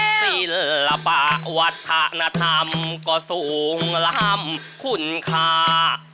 ษัตริย์แปลละวัฒนธรรมก็สูงรัมคุณค่า